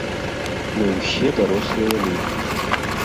Мы ўсе дарослыя людзі.